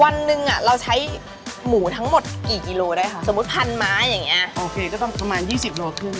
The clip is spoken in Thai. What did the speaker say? วันหนึ่งอ่ะเราใช้หมูทั้งหมดกี่กิโลได้ค่ะสมมุติพันไม้อย่างเงี้ยโอเคก็ต้องประมาณยี่สิบโลครึ่ง